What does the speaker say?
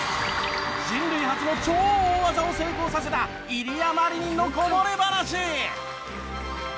人類初の超大技を成功させたイリア・マリニンのこぼれ話。